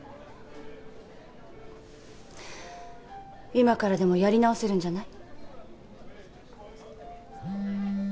今からでもやり直せるんじゃない？